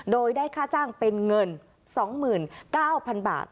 โดยได้ค่าจ้างเป็นเงิน๒๙๐๐บาท